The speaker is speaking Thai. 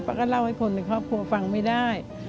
ก็เล่าให้คนในครอบครัวฟังไม่ได้